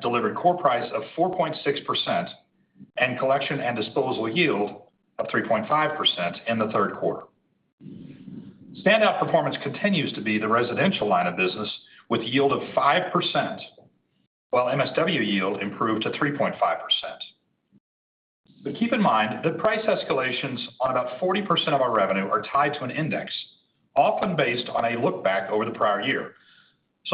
Delivered core price of 4.6% and collection and disposal yield of 3.5% in the third quarter. Standout performance continues to be the residential line of business with yield of 5%, while MSW yield improved to 3.5%. Keep in mind that price escalations on about 40% of our revenue are tied to an index, often based on a look back over the prior year.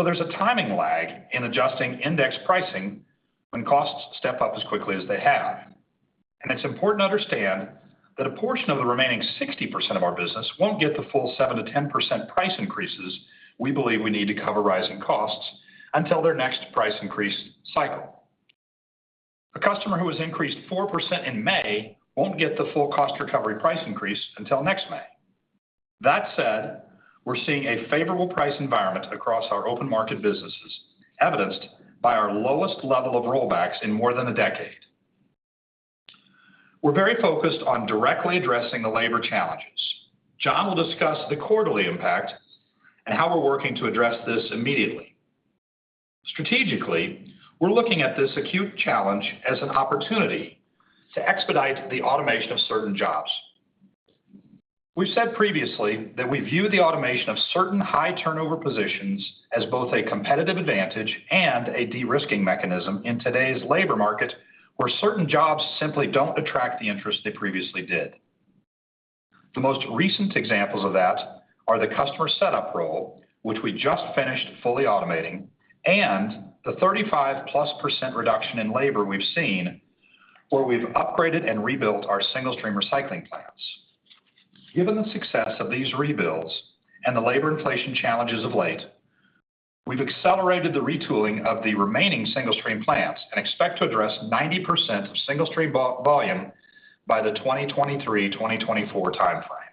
There's a timing lag in adjusting index pricing when costs step up as quickly as they have. It's important to understand that a portion of the remaining 60% of our business won't get the full 7%-10% price increases we believe we need to cover rising costs until their next price increase cycle. A customer who has increased 4% in May won't get the full cost recovery price increase until next May. That said, we're seeing a favorable price environment across our open market businesses, evidenced by our lowest level of rollbacks in more than a decade. We're very focused on directly addressing the labor challenges. John will discuss the quarterly impact and how we're working to address this immediately. Strategically, we're looking at this acute challenge as an opportunity to expedite the automation of certain jobs. We've said previously that we view the automation of certain high turnover positions as both a competitive advantage and a de-risking mechanism in today's labor market, where certain jobs simply don't attract the interest they previously did. The most recent examples of that are the customer setup role, which we just finished fully automating, and the 35%+ reduction in labor we've seen where we've upgraded and rebuilt our single-stream recycling plants. Given the success of these rebuilds and the labor inflation challenges of late, we've accelerated the retooling of the remaining single-stream plants and expect to address 90% of single-stream volume by the 2023-2024 time frame.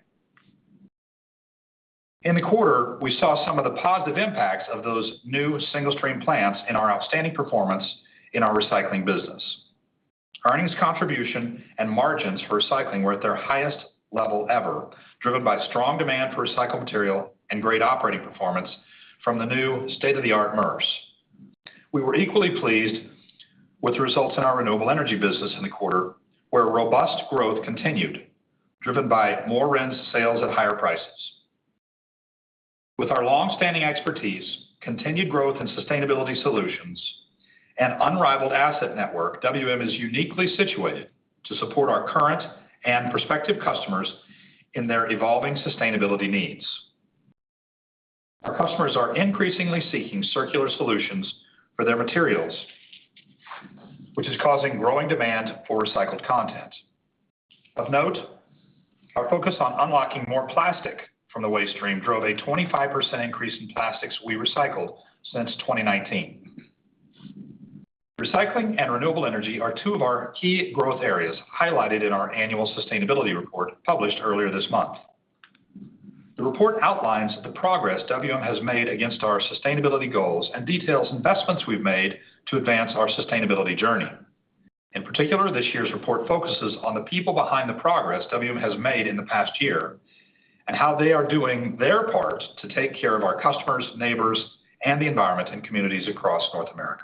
In the quarter, we saw some of the positive impacts of those new single-stream plants in our outstanding performance in our recycling business. Earnings contribution and margins for recycling were at their highest level ever, driven by strong demand for recycled material and great operating performance from the new state-of-the-art MRFs. We were equally pleased with the results in our renewable energy business in the quarter, where robust growth continued, driven by more RINs sales at higher prices. With our long-standing expertise, continued growth in sustainability solutions and unrivaled asset network, WM is uniquely situated to support our current and prospective customers in their evolving sustainability needs. Our customers are increasingly seeking circular solutions for their materials, which is causing growing demand for recycled content. Of note, our focus on unlocking more plastic from the waste stream drove a 25% increase in plastics we recycled since 2019. Recycling and renewable energy are two of our key growth areas highlighted in our annual sustainability report published earlier this month. The report outlines the progress WM has made against our sustainability goals and details investments we've made to advance our sustainability journey. In particular, this year's report focuses on the people behind the progress WM has made in the past year and how they are doing their part to take care of our customers, neighbors, and the environment in communities across North America.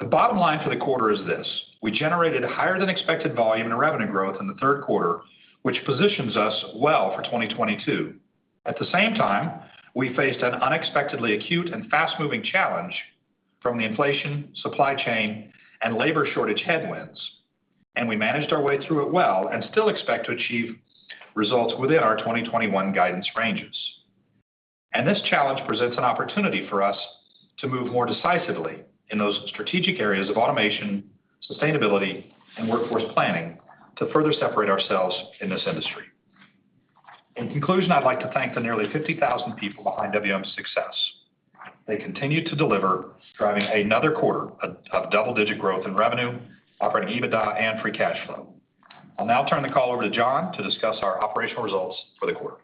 The bottom line for the quarter is this: We generated higher than expected volume and revenue growth in the third quarter, which positions us well for 2022. At the same time, we faced an unexpectedly acute and fast-moving challenge from the inflation, supply chain, and labor shortage headwinds, and we managed our way through it well and still expect to achieve results within our 2021 guidance ranges. This challenge presents an opportunity for us to move more decisively in those strategic areas of automation, sustainability, and workforce planning to further separate ourselves in this industry. In conclusion, I'd like to thank the nearly 50,000 people behind WM's success. They continue to deliver, driving another quarter of double-digit growth in revenue, operating EBITDA and free cash flow. I'll now turn the call over to John to discuss our operational results for the quarter.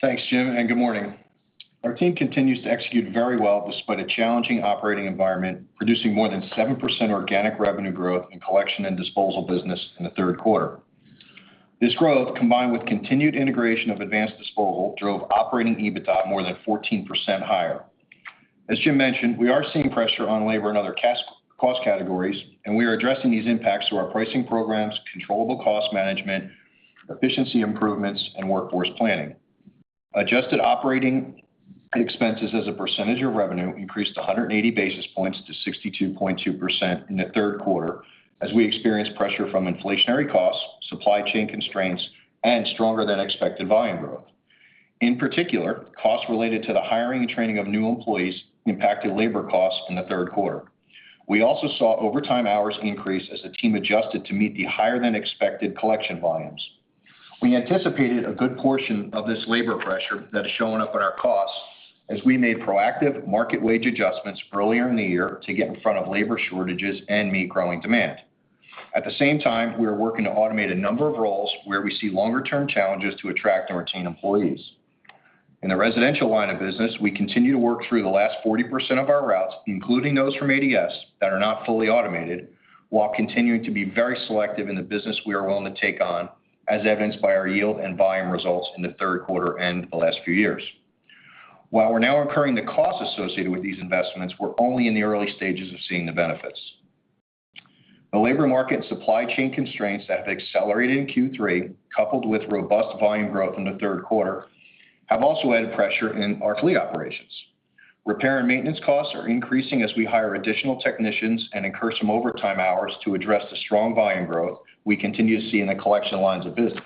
Thanks, Jim, and good morning. Our team continues to execute very well despite a challenging operating environment, producing more than 7% organic revenue growth in collection and disposal business in the third quarter. This growth, combined with continued integration of Advanced Disposal, drove operating EBITDA more than 14% higher. As Jim mentioned, we are seeing pressure on labor and other cost categories, and we are addressing these impacts through our pricing programs, controllable cost management, efficiency improvements, and workforce planning. Adjusted operating expenses as a percentage of revenue increased 180 basis points to 62.2% in the third quarter as we experienced pressure from inflationary costs, supply chain constraints, and stronger than expected volume growth. In particular, costs related to the hiring and training of new employees impacted labor costs in the third quarter. We also saw overtime hours increase as the team adjusted to meet the higher than expected collection volumes. We anticipated a good portion of this labor pressure that has shown up in our costs as we made proactive market wage adjustments earlier in the year to get in front of labor shortages and meet growing demand. At the same time, we are working to automate a number of roles where we see longer term challenges to attract and retain employees. In the residential line of business, we continue to work through the last 40% of our routes, including those from ADS that are not fully automated. While continuing to be very selective in the business we are willing to take on, as evidenced by our yield and volume results in the third quarter and the last few years. While we're now incurring the costs associated with these investments, we're only in the early stages of seeing the benefits. The labor market and supply chain constraints that have accelerated in Q3, coupled with robust volume growth in the third quarter, have also added pressure in our fleet operations. Repair and maintenance costs are increasing as we hire additional technicians and incur some overtime hours to address the strong volume growth we continue to see in the collection lines of business.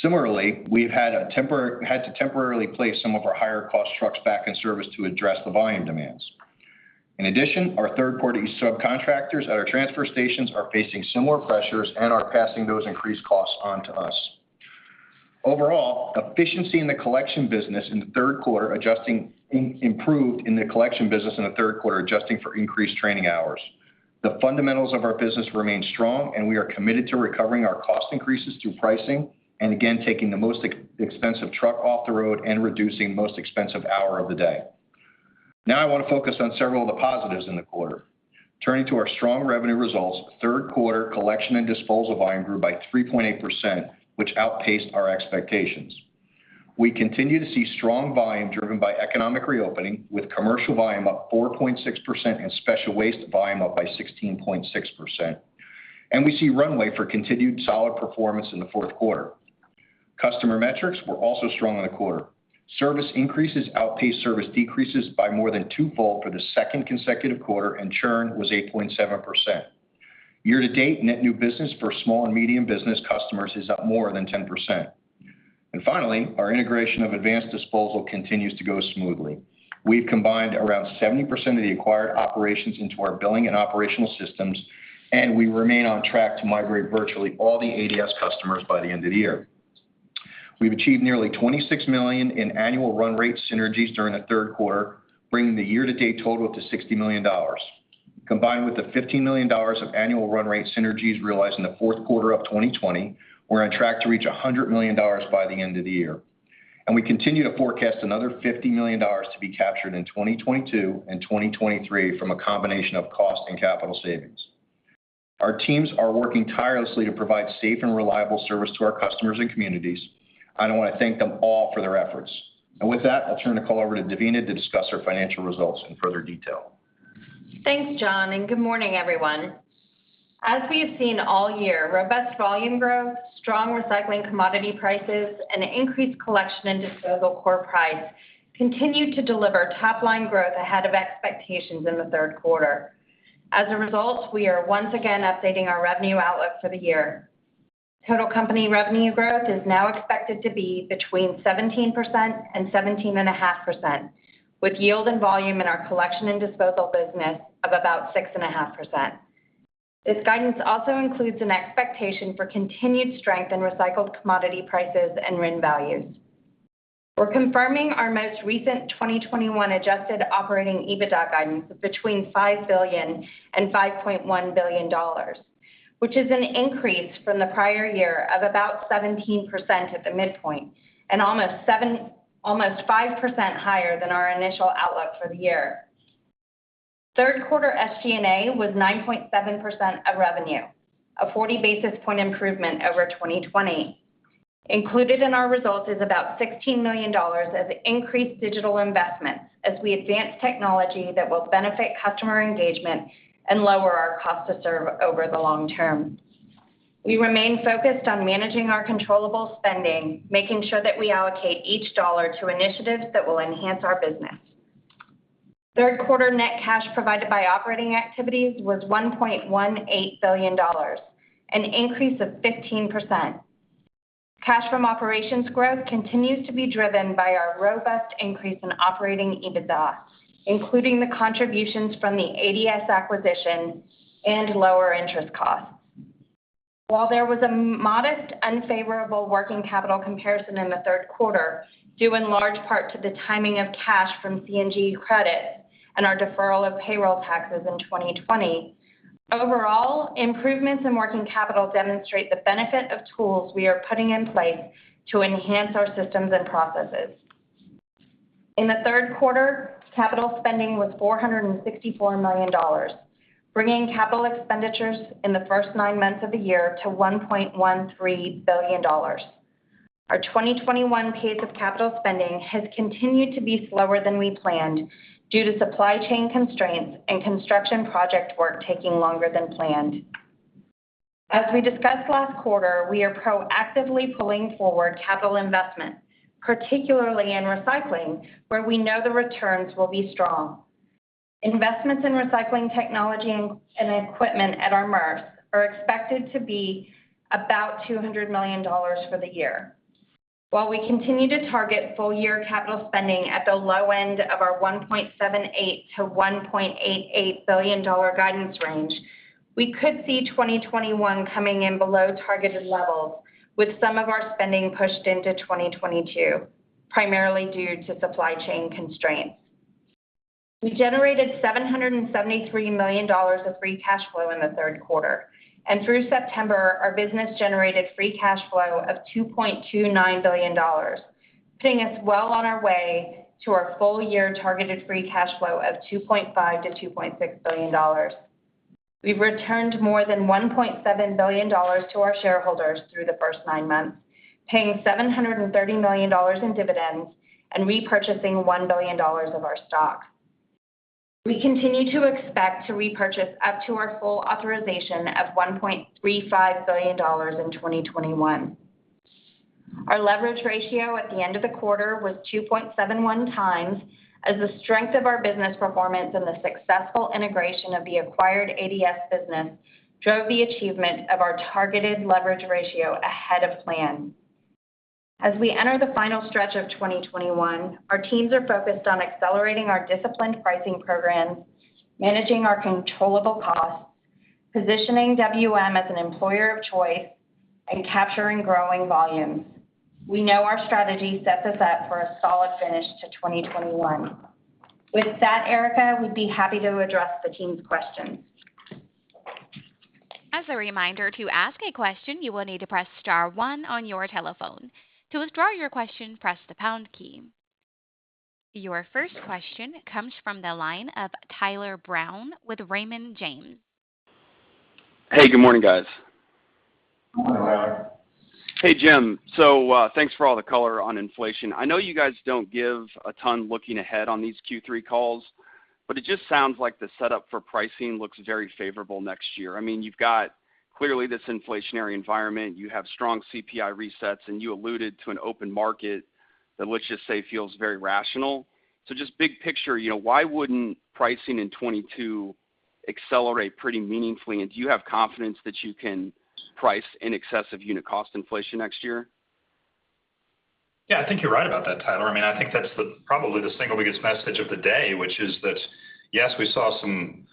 Similarly, we've had to temporarily place some of our higher cost trucks back in service to address the volume demands. In addition, our third-party subcontractors at our transfer stations are facing similar pressures and are passing those increased costs on to us. Overall, efficiency in the collection business in the third quarter improved, adjusting for increased training hours. The fundamentals of our business remain strong, and we are committed to recovering our cost increases through pricing and again, taking the most expensive truck off the road and reducing the most expensive hour of the day. Now, I want to focus on several of the positives in the quarter. Turning to our strong revenue results, third quarter collection and disposal volume grew by 3.8%, which outpaced our expectations. We continue to see strong volume driven by economic reopening, with commercial volume up 4.6% and special waste volume up by 16.6%. We see runway for continued solid performance in the fourth quarter. Customer metrics were also strong in the quarter. Service increases outpaced service decreases by more than twofold for the second consecutive quarter, and churn was 8.7%. Year-to-date net new business for small and medium business customers is up more than 10%. Finally, our integration of Advanced Disposal continues to go smoothly. We've combined around 70% of the acquired operations into our billing and operational systems, and we remain on track to migrate virtually all the ADS customers by the end of the year. We've achieved nearly $26 million in annual run rate synergies during the third quarter, bringing the year-to-date total to $60 million. Combined with the $15 million of annual run rate synergies realized in the fourth quarter of 2020, we're on track to reach $100 million by the end of the year. We continue to forecast another $50 million to be captured in 2022 and 2023 from a combination of cost and capital savings. Our teams are working tirelessly to provide safe and reliable service to our customers and communities, and I want to thank them all for their efforts. With that, I'll turn the call over to Devina to discuss our financial results in further detail. Thanks, John, and good morning, everyone. As we have seen all year, robust volume growth, strong recycling commodity prices, and increased collection and disposal core price continued to deliver top-line growth ahead of expectations in the third quarter. As a result, we are once again updating our revenue outlook for the year. Total company revenue growth is now expected to be between 17% and 17.5%, with yield and volume in our collection and disposal business of about 6.5%. This guidance also includes an expectation for continued strength in recycled commodity prices and RIN values. We're confirming our most recent 2021 adjusted operating EBITDA guidance of between $5 billion and $5.1 billion, which is an increase from the prior year of about 17% at the midpoint and almost 5% higher than our initial outlook for the year. Third quarter SG&A was 9.7% of revenue, a 40 basis point improvement over 2020. Included in our results is about $16 million of increased digital investments as we advance technology that will benefit customer engagement and lower our cost to serve over the long term. We remain focused on managing our controllable spending, making sure that we allocate each dollar to initiatives that will enhance our business. Third quarter net cash provided by operating activities was $1.18 billion, an increase of 15%. Cash from operations growth continues to be driven by our robust increase in operating EBITDA, including the contributions from the ADS acquisition and lower interest costs. While there was a modest, unfavorable working capital comparison in the third quarter, due in large part to the timing of cash from CNG credit and our deferral of payroll taxes in 2020. Overall, improvements in working capital demonstrate the benefit of tools we are putting in place to enhance our systems and processes. In the third quarter, capital spending was $464 million, bringing capital expenditures in the first nine months of the year to $1.13 billion. Our 2021 pace of capital spending has continued to be slower than we planned due to supply chain constraints and construction project work taking longer than planned. As we discussed last quarter, we are proactively pulling forward capital investment, particularly in recycling, where we know the returns will be strong. Investments in recycling technology and equipment at our MRFs are expected to be about $200 million for the year. While we continue to target full year capital spending at the low end of our $1.78 billion-$1.88 billion guidance range, we could see 2021 coming in below targeted levels with some of our spending pushed into 2022, primarily due to supply chain constraints. We generated $773 million of free cash flow in the third quarter, and through September, our business generated free cash flow of $2.29 billion. Putting us well on our way to our full-year targeted free cash flow of $2.5 billion-$2.6 billion. We have returned more than $1.7 billion to our shareholders through the first nine months, paying $730 million in dividends and repurchasing $1 billion of our stock. We continue to expect to repurchase up to our full authorization of $1.35 billion in 2021. Our leverage ratio at the end of the quarter was 2.71 times, as the strength of our business performance and the successful integration of the acquired ADS business drove the achievement of our targeted leverage ratio ahead of plan. As we enter the final stretch of 2021, our teams are focused on accelerating our disciplined pricing programs, managing our controllable costs, positioning WM as an employer of choice, and capturing growing volumes. We know our strategy sets us up for a solid finish to 2021. With that, Erika, we'd be happy to address the team's questions. Your first question comes from the line of Tyler Brown with Raymond James. Hey, good morning, guys. Good morning. Hey, Jim. Thanks for all the color on inflation. I know you guys don't give a ton looking ahead on these Q3 calls, but it just sounds like the setup for pricing looks very favorable next year. I mean, you've got clearly this inflationary environment. You have strong CPI resets, and you alluded to an open market that, let's just say, feels very rational. Just big picture, you know, why wouldn't pricing in 2022 accelerate pretty meaningfully? And do you have confidence that you can price in excess of unit cost inflation next year? Yeah, I think you're right about that, Tyler. I mean, I think that's probably the single biggest message of the day, which is that yes, we saw some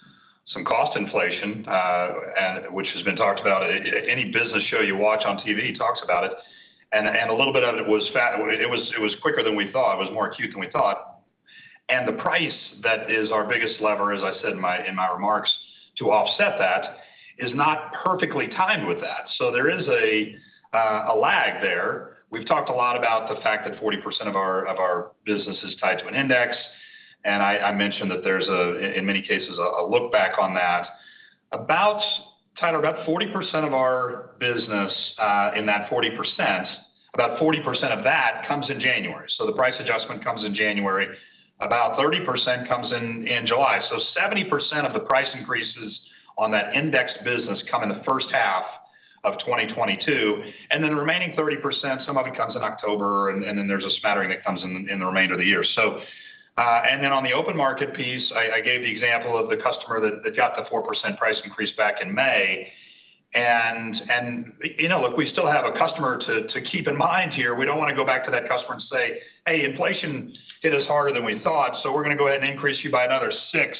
cost inflation, and which has been talked about. Any business show you watch on TV talks about it. A little bit of it was quicker than we thought. It was more acute than we thought. The price that is our biggest lever, as I said in my remarks, to offset that, is not perfectly timed with that. There is a lag there. We've talked a lot about the fact that 40% of our business is tied to an index. I mentioned that there's in many cases a look back on that. Tyler, about 40% of our business, in that 40%, about 40% of that comes in January. The price adjustment comes in January. About 30% comes in July. Seventy percent of the price increases on that index business come in the first half of 2022, and then the remaining 30%, some of it comes in October, and then there's a smattering that comes in the remainder of the year. On the open market piece, I gave the example of the customer that got the 4% price increase back in May. You know, look, we still have a customer to keep in mind here. We don't wanna go back to that customer and say, "Hey, inflation hit us harder than we thought, so we're gonna go ahead and increase you by another 6%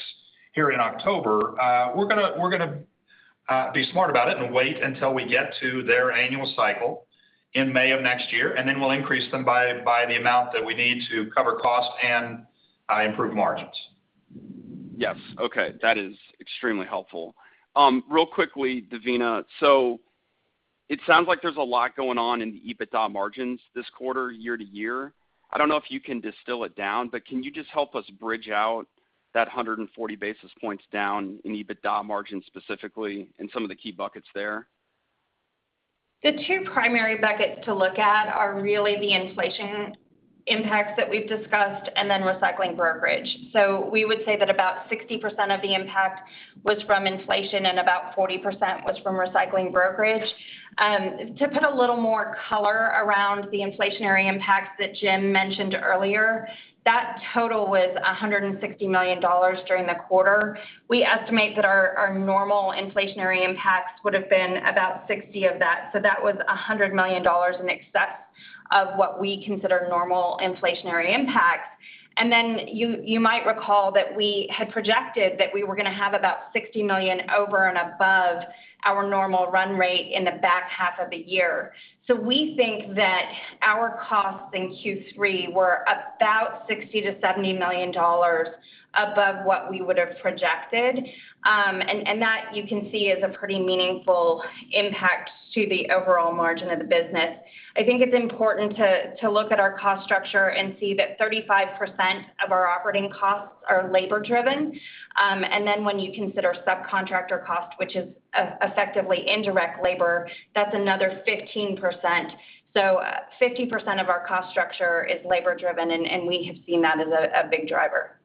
here in October." We're gonna be smart about it and wait until we get to their annual cycle in May of next year, and then we'll increase them by the amount that we need to cover costs and improve margins. Yes. Okay. That is extremely helpful. Real quickly, Devina. It sounds like there's a lot going on in the EBITDA margins this quarter, year to year. I don't know if you can distill it down, but can you just help us bridge out that 140 basis points down in EBITDA margins specifically and some of the key buckets there? The two primary buckets to look at are really the inflation impacts that we've discussed and then recycling brokerage. We would say that about 60% of the impact was from inflation and about 40% was from recycling brokerage. To put a little more color around the inflationary impacts that Jim mentioned earlier, that total was $160 million during the quarter. We estimate that our normal inflationary impacts would have been about $60 million of that. That was $100 million in excess of what we consider normal inflationary impacts. Then you might recall that we had projected that we were gonna have about $60 million over and above our normal run rate in the back half of the year. We think that our costs in Q3 were about $60 million-$70 million above what we would have projected. That, you can see, is a pretty meaningful impact to the overall margin of the business. I think it's important to look at our cost structure and see that 35% of our operating costs are labor-driven. When you consider subcontractor cost, which is effectively indirect labor, that's another 15%. 50% of our cost structure is labor-driven, and we have seen that as a big driver.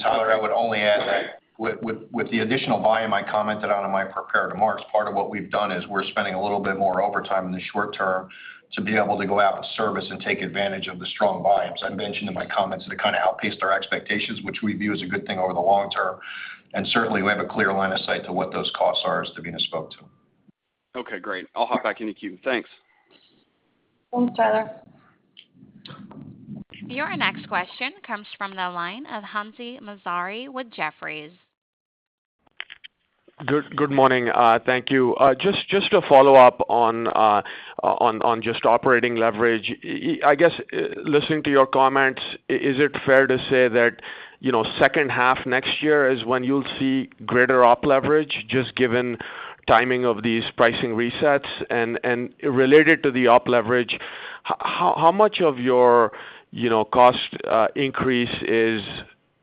Tyler, I would only add that with the additional volume I commented on in my prepared remarks, part of what we've done is we're spending a little bit more overtime in the short term to be able to go out with service and take advantage of the strong volumes I mentioned in my comments that kind of outpaced our expectations, which we view as a good thing over the long term. Certainly, we have a clear line of sight to what those costs are, as Devina spoke to. Okay, great. I'll hop back in the queue. Thanks. Thanks, Tyler. Your next question comes from the line of Hamzah Mazari with Jefferies. Good morning. Thank you. Just to follow up on just operating leverage. I guess, listening to your comments, is it fair to say that, you know, second half next year is when you'll see greater op leverage, just given timing of these pricing resets? Related to the op leverage, how much of your, you know, cost increase is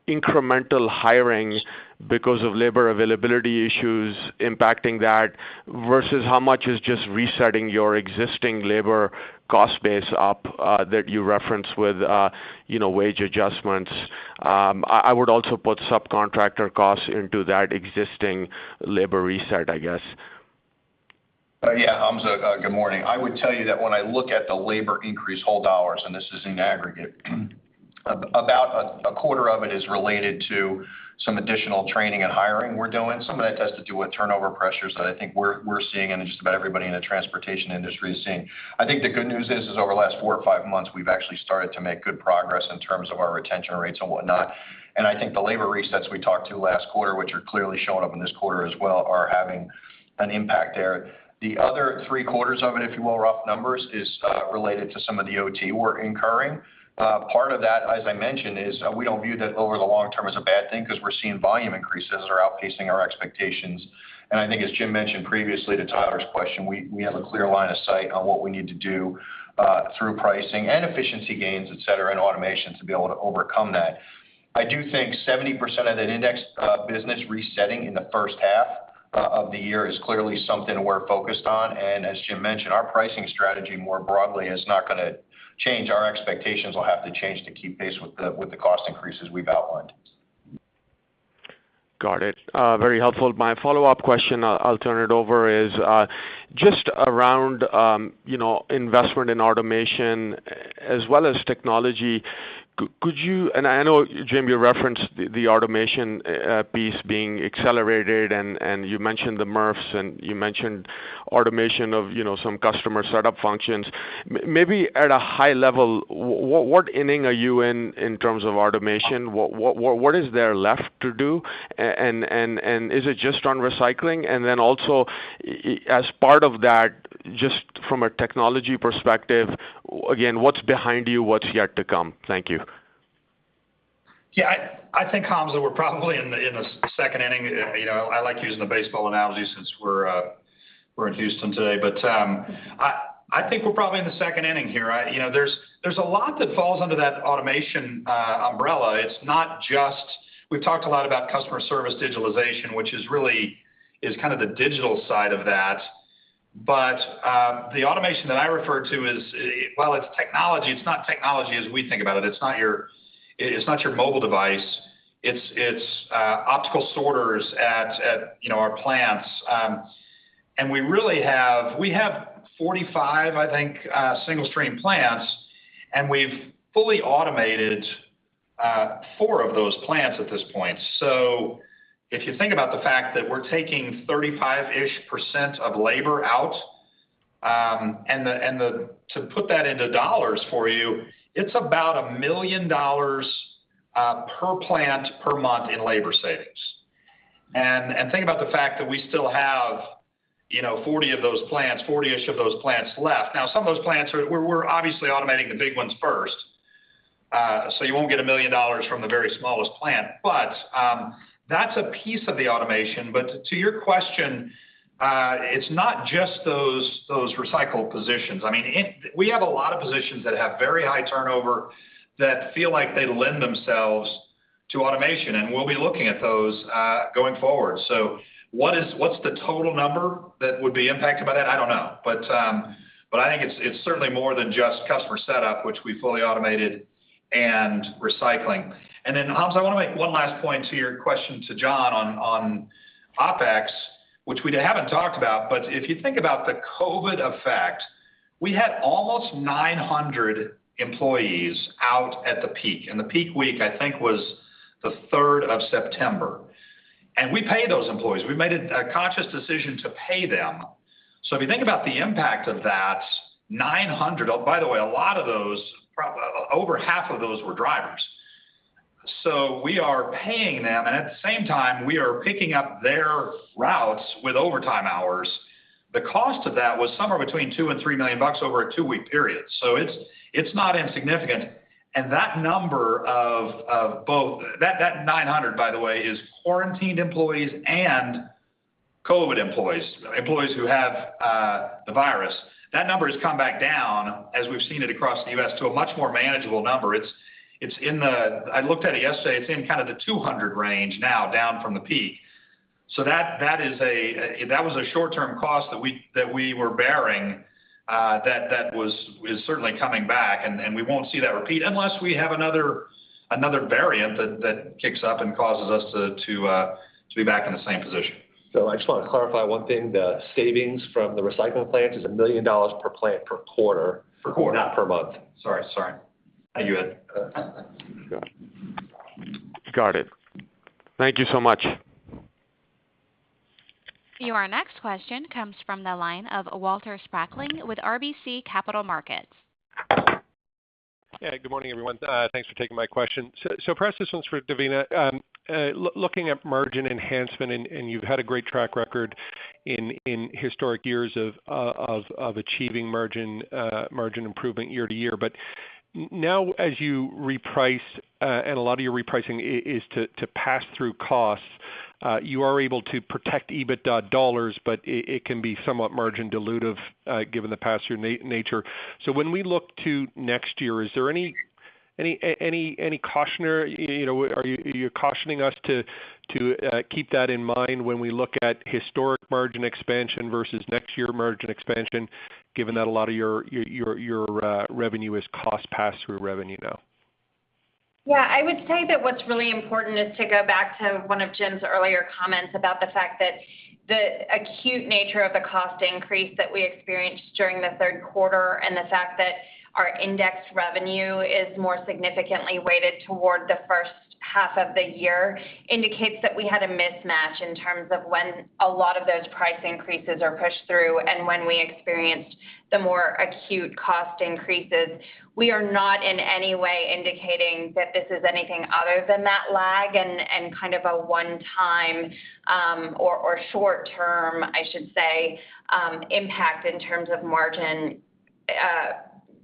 incremental hiring because of labor availability issues impacting that versus how much is just resetting your existing labor cost base up, that you referenced with, you know, wage adjustments. I would also put subcontractor costs into that existing labor reset, I guess. Yeah. Hamza, good morning. I would tell you that when I look at the labor increase whole dollars, and this is in aggregate, about a quarter of it is related to some additional training and hiring we're doing. Some of that has to do with turnover pressures that I think we're seeing and just about everybody in the transportation industry is seeing. I think the good news is over the last four or five months, we've actually started to make good progress in terms of our retention rates and whatnot. I think the labor resets we talked to last quarter, which are clearly showing up in this quarter as well, are having an impact there. The other three-quarters of it, if you will, rough numbers, is related to some of the OT we're incurring. Part of that, as I mentioned, is we don't view that over the long term as a bad thing because we're seeing volume increases are outpacing our expectations. I think as Jim mentioned previously to Tyler's question, we have a clear line of sight on what we need to do through pricing and efficiency gains, etc, and automation to be able to overcome that. I do think 70% of that index business resetting in the first half of the year is clearly something we're focused on. As Jim mentioned, our pricing strategy more broadly is not gonna change. Our expectations will have to change to keep pace with the cost increases we've outlined. Got it. Very helpful. My follow-up question, I'll turn it over, is just around, you know, investment in automation as well as technology. Could you? I know, Jim, you referenced the automation piece being accelerated, and you mentioned the MRFs, and you mentioned automation of, you know, some customer setup functions. Maybe at a high level, what inning are you in in terms of automation? What is there left to do? And is it just on recycling? And then also, as part of that, just from a technology perspective, again, what's behind you? What's yet to come? Thank you. Yeah. I think, Hamzah, we're probably in the second inning. You know, I like using the baseball analogy since we're in Houston today. I think we're probably in the second inning here. You know, there's a lot that falls under that automation umbrella. It's not just. We've talked a lot about customer service digitalization, which is really kind of the digital side of that. The automation that I refer to is, while it's technology, it's not technology as we think about it. It's not your mobile device. It's optical sorters at our plants. We have 45, I think, single-stream plants, and we've fully automated four of those plants at this point. If you think about the fact that we're taking 35-ish% of labor out. To put that into dollars for you, it's about $1 million per plant per month in labor savings. Think about the fact that we still have 40 of those plants, 40-ish of those plants left. Now some of those plants are. We're obviously automating the big ones first. You won't get $1 million from the very smallest plant. That's a piece of the automation. To your question, it's not just those recycled positions. We have a lot of positions that have very high turnover that feel like they lend themselves to automation, and we'll be looking at those going forward. What's the total number that would be impacted by that? I don't know. I think it's certainly more than just customer setup, which we fully automated, and recycling. Then, Hamza, I want to make one last point to your question to John on OpEx, which we haven't talked about. If you think about the COVID effect, we had almost 900 employees out at the peak, and the peak week, I think, was the third of September. We paid those employees. We made a conscious decision to pay them. If you think about the impact of that, 900. Oh, by the way, a lot of those, probably over half of those were drivers. We are paying them, and at the same time, we are picking up their routes with overtime hours. The cost of that was somewhere between $2 million and $3 million over a two week period, so it's not insignificant. That number of both—that 900, by the way, is quarantined employees and COVID employees who have the virus. That number has come back down as we've seen it across the U.S. to a much more manageable number. It's in the—I looked at it yesterday. It's in kind of the 200 range now, down from the peak. That is a—that was a short-term cost that we were bearing that is certainly coming back. We won't see that repeat unless we have another variant that kicks up and causes us to be back in the same position. I just wanna clarify one thing. The savings from the recycling plant is $1 million per plant per quarter- Per quarter. Not per month. Sorry. You bet. Got it. Thank you so much. Your next question comes from the line of Walter Spracklin with RBC Capital Markets. Yeah. Good morning, everyone. Thanks for taking my question. First, this one's for Devina. Looking at margin enhancement, and you've had a great track record in historic years of achieving margin improvement year to year. Now as you reprice, and a lot of your repricing is to pass through costs, you are able to protect EBITDA dollars, but it can be somewhat margin dilutive, given the pass-through nature. When we look to next year, is there any cautionary? You know, are you cautioning us to keep that in mind when we look at historic margin expansion versus next year margin expansion, given that a lot of your revenue is cost pass-through revenue now? Yeah, I would say that what's really important is to go back to one of Jim's earlier comments about the fact that the acute nature of the cost increase that we experienced during the third quarter and the fact that our index revenue is more significantly weighted toward the first half of the year indicates that we had a mismatch in terms of when a lot of those price increases are pushed through and when we experienced the more acute cost increases. We are not in any way indicating that this is anything other than that lag and kind of a one-time or short-term, I should say, impact in terms of margin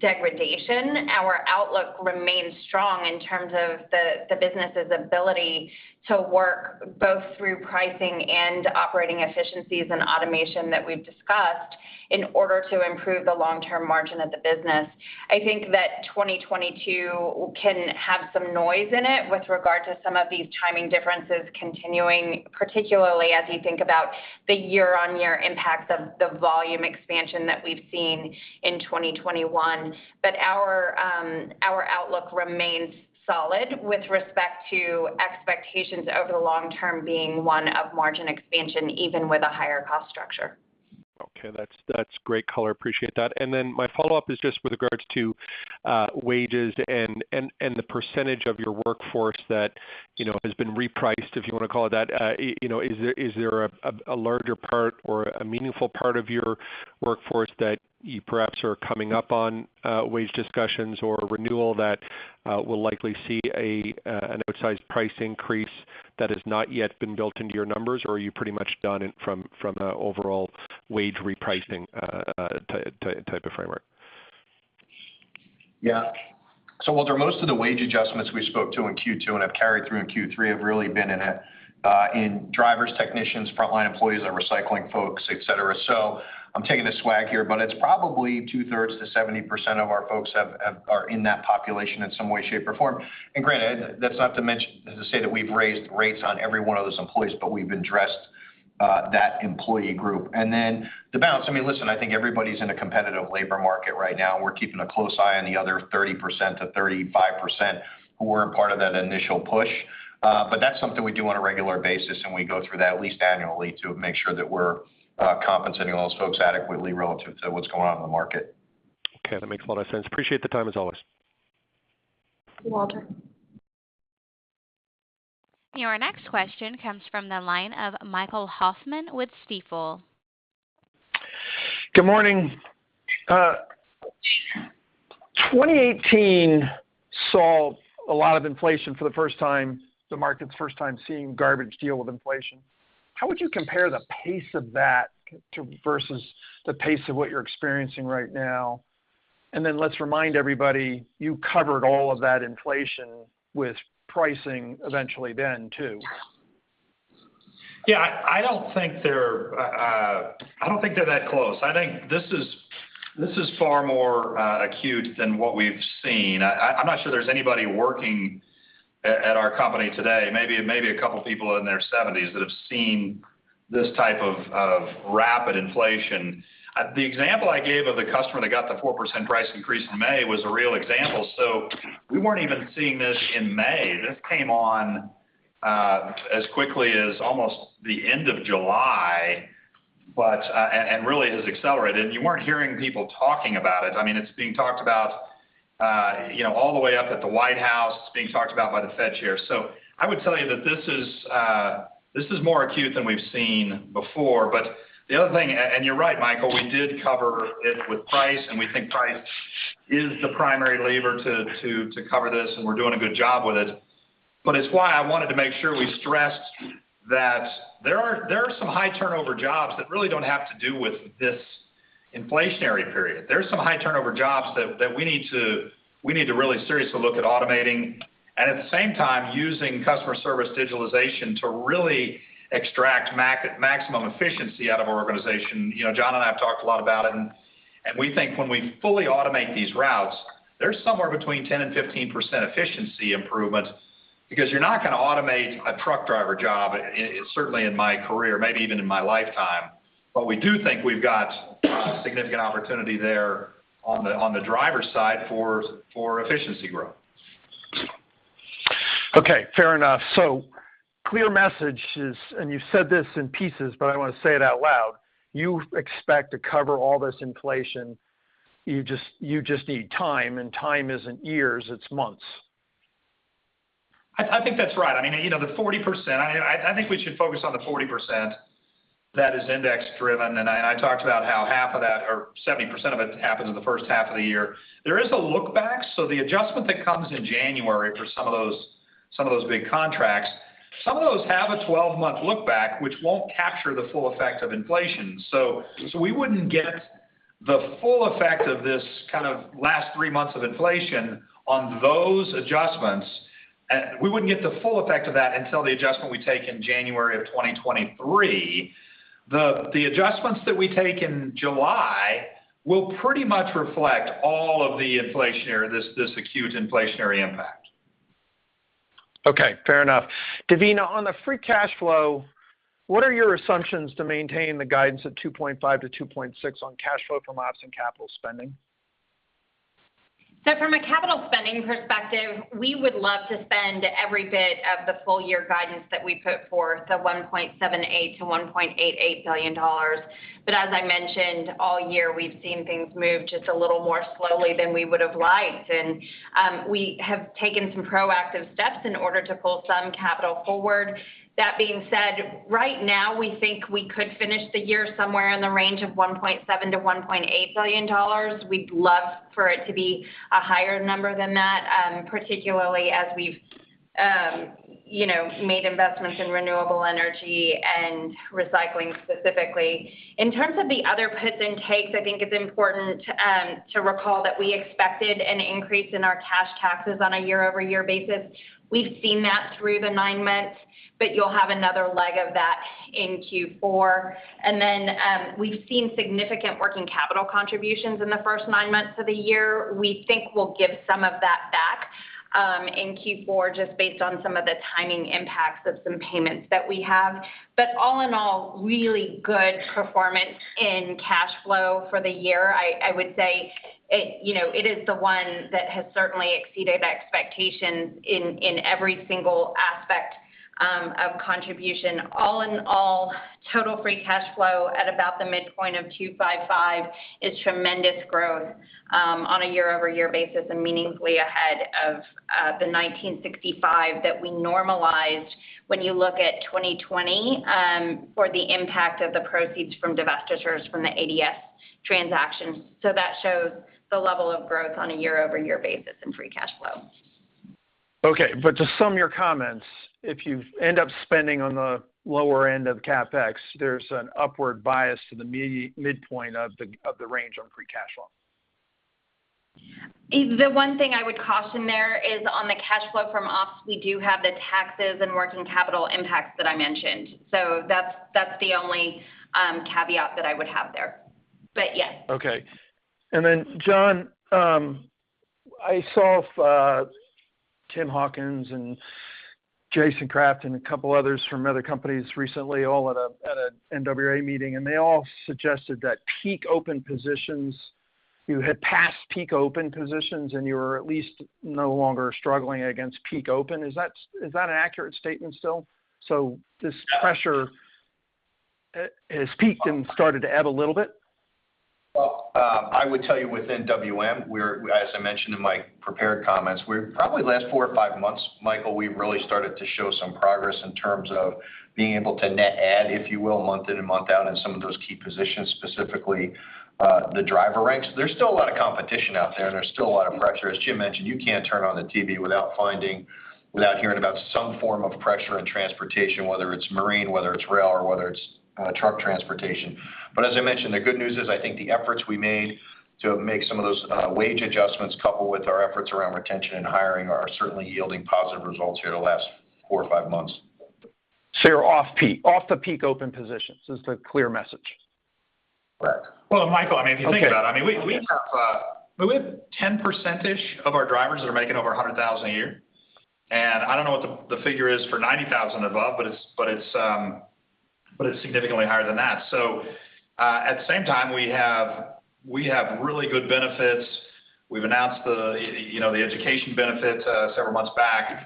degradation. Our outlook remains strong in terms of the business's ability to work both through pricing and operating efficiencies and automation that we've discussed in order to improve the long-term margin of the business. I think that 2022 can have some noise in it with regard to some of these timing differences continuing, particularly as you think about the year-on-year impact of the volume expansion that we've seen in 2021. Our outlook remains solid with respect to expectations over the long term being one of margin expansion, even with a higher cost structure. Okay. That's great color. Appreciate that. My follow-up is just with regards to wages and the percentage of your workforce that, you know, has been repriced, if you wanna call it that. You know, is there a larger part or a meaningful part of your workforce that you perhaps are coming up on wage discussions or a renewal that will likely see an outsized price increase that has not yet been built into your numbers? Or are you pretty much done in from a overall wage repricing type of framework? Yeah. Walter, most of the wage adjustments we spoke to in Q2 and have carried through in Q3 have really been in drivers, technicians, frontline employees, our recycling folks, etc. I'm taking a swag here, but it's probably two-thirds to 70% of our folks are in that population in some way, shape, or form. Granted, that's not to say that we've raised rates on every one of those employees, but we've addressed that employee group. The balance, I mean, listen, I think everybody's in a competitive labor market right now, and we're keeping a close eye on the other 30%-35% who weren't part of that initial push. That's something we do on a regular basis, and we go through that at least annually to make sure that we're compensating all those folks adequately relative to what's going on in the market. Okay. That makes a lot of sense. Appreciate the time, as always. Thank you, Walter. Your next question comes from the line of Michael Hoffman with Stifel. Good morning. 2018 saw a lot of inflation for the first time, the market's first time seeing garbage deal with inflation. How would you compare the pace of that to versus the pace of what you're experiencing right now? Then let's remind everybody, you covered all of that inflation with pricing eventually then, too. Yeah. I don't think they're that close. I think this is far more acute than what we've seen. I'm not sure there's anybody working at our company today, maybe a couple of people in their seventies that have seen this type of rapid inflation. The example I gave of the customer that got the 4% price increase in May was a real example. So we weren't even seeing this in May. This came on as quickly as almost the end of July, and really it has accelerated. You weren't hearing people talking about it. I mean, it's being talked about, you know, all the way up at the White House. It's being talked about by the Fed chair. I would tell you that this is more acute than we've seen before. The other thing, and you're right, Michael, we did cover it with price, and we think price is the primary lever to cover this, and we're doing a good job with it. It's why I wanted to make sure we stressed that there are some high-turnover jobs that really don't have to do with this inflationary period. There are some high-turnover jobs that we need to really seriously look at automating, and at the same time, using customer service digitalization to really extract maximum efficiency out of our organization. You know, John and I have talked a lot about it, and we think when we fully automate these routes, there's somewhere between 10%-15% efficiency improvement because you're not gonna automate a truck driver job, certainly in my career, maybe even in my lifetime. But we do think we've got significant opportunity there on the driver side for efficiency growth. Okay, fair enough. Clear message is, and you said this in pieces, but I wanna say it out loud. You expect to cover all this inflation. You just need time, and time isn't years, it's months. I think that's right. I mean, you know, the 40%, I think we should focus on the 40% that is index-driven. I talked about how half of that or 70% of it happens in the first half of the year. There is a look back, so the adjustment that comes in January for some of those big contracts, some of those have a 12 month look back, which won't capture the full effect of inflation. We wouldn't get The full effect of this kind of last three months of inflation on those adjustments, we wouldn't get the full effect of that until the adjustment we take in January 2023. The adjustments that we take in July will pretty much reflect all of this acute inflationary impact. Okay. Fair enough. Devina, on the free cash flow, what are your assumptions to maintain the guidance of $2.5-$2.6 on cash flow from ops and capital spending? From a capital spending perspective, we would love to spend every bit of the full year guidance that we put forth of $1.78 billion-$1.88 billion. As I mentioned, all year, we've seen things move just a little more slowly than we would have liked. We have taken some proactive steps in order to pull some capital forward. That being said, right now we think we could finish the year somewhere in the range of $1.7 billion-$1.8 billion. We'd love for it to be a higher number than that, particularly as we've, you know, made investments in renewable energy and recycling specifically. In terms of the other puts and takes, I think it's important to recall that we expected an increase in our cash taxes on a year-over-year basis. We've seen that through the nine months, but you'll have another leg of that in Q4. We've seen significant working capital contributions in the first nine months of the year. We think we'll give some of that back in Q4 just based on some of the timing impacts of some payments that we have. All in all, really good performance in cash flow for the year. I would say it, you know, it is the one that has certainly exceeded expectations in every single aspect of contribution. All in all, total free cash flow at about the midpoint of $255 is tremendous growth on a year-over-year basis and meaningfully ahead of the $1,965 that we normalized when you look at 2020 for the impact of the proceeds from divestitures from the ADS transaction. That shows the level of growth on a year-over-year basis in free cash flow. Okay, to sum your comments, if you end up spending on the lower end of CapEx, there's an upward bias to the midpoint of the range on free cash flow. The one thing I would caution there is on the cash flow from ops, we do have the taxes and working capital impacts that I mentioned. That's the only caveat that I would have there. Yes. Okay. Then John, I saw Tim Hawkins and Jason Craft and a couple others from other companies recently all at a NWRA meeting, and they all suggested that peak open positions, you had passed peak open positions, and you were at least no longer struggling against peak open. Is that an accurate statement still? This pressure has peaked and started to ebb a little bit. Well, I would tell you within WM, we're as I mentioned in my prepared comments, we're probably the last 4 or 5 months, Michael, we've really started to show some progress in terms of being able to net add, if you will, month in and month out in some of those key positions, specifically, the driver ranks. There's still a lot of competition out there, and there's still a lot of pressure. As Jim mentioned, you can't turn on the TV without hearing about some form of pressure in transportation, whether it's marine, whether it's rail, or whether it's truck transportation. As I mentioned, the good news is I think the efforts we made to make some of those wage adjustments coupled with our efforts around retention and hiring are certainly yielding positive results here the last 4 or 5 months. You're off the peak open positions is the clear message. Correct. Well, Michael, I mean, if you think about it, I mean, we have 10%-ish of our drivers that are making over $100,000 a year. I don't know what the figure is for $90,000 above, but it's significantly higher than that. At the same time, we have really good benefits. We've announced the, you know, the education benefits, several months back.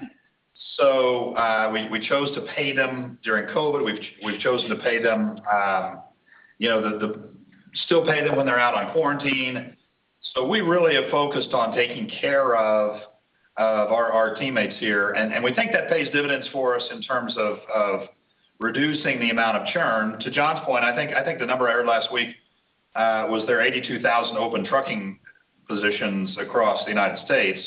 We chose to pay them during COVID. We've chosen to pay them, you know, still pay them when they're out on quarantine. We really have focused on taking care of our teammates here, and we think that pays dividends for us in terms of reducing the amount of churn. To John's point, I think the number I heard last week was there 82,000 open trucking positions across the United States.